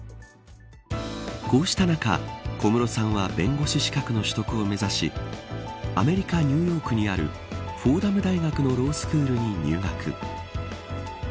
こうした中、小室さんは弁護士資格の取得を目指しアメリカ、ニューヨークにあるフォーダム大学のロースクールに入学。